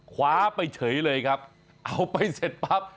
คว้าไปเฉยเลยครับเอาไปเสร็จปั๊บ